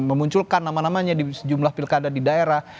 memunculkan nama namanya di sejumlah pilkada di daerah